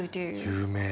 有名な。